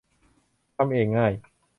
ทำเองง่าย